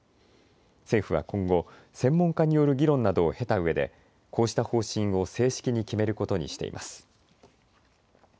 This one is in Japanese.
政府は今後、専門家による議論などを経たうえでこうした方針を正式に決めることにしています。